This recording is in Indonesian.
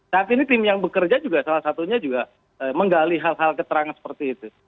saat ini tim yang bekerja juga salah satunya juga menggali hal hal keterangan seperti itu